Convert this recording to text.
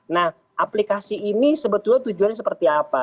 nah aplikasi ini sebetulnya tujuannya seperti apa